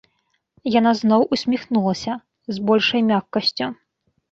Яна зноў усміхнулася, з большаю мяккасцю.